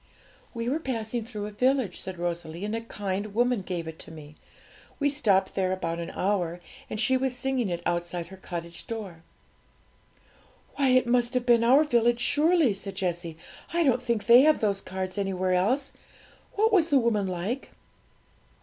'We were passing through a village,' said Rosalie, 'and a kind woman gave it to me. We stopped there about an hour and she was singing it outside her cottage door.' 'Why it must have been our village, surely!' said Jessie; 'I don't think they have those cards anywhere else. What was the woman like?'